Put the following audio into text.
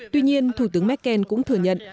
tuy nhiên thủ tướng merkel cũng thừa nhận